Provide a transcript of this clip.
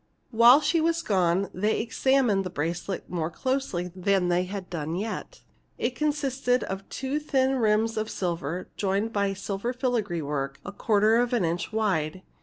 While she was gone they examined the bracelet more closely than they had yet done. It consisted of two thin rims of silver, joined by silver filigree work, a quarter of an inch wide.